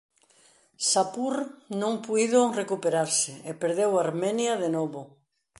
Shapur non puido recuperarse e perdeu Armenia de novo.